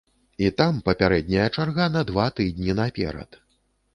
І там папярэдняя чарга на два тыдні наперад.